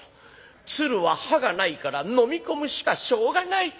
鶴は歯がないからのみ込むしかしょうがない。